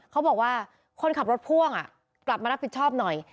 เขาบอกว่าคนขับรถพ่วงกลับมารับผิดชอบหน่อย